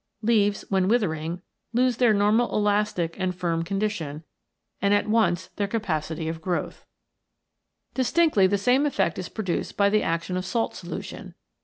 Leaves, when withering, lose their normal elastic and firm condition, and at once their capacity of growth. 55 CHEMICAL PHENOMENA IN LIFE Distinctly the same effect is produced by the action of salt solution.